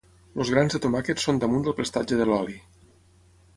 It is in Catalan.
Els grans de tomàquet són damunt del prestatge de l'oli.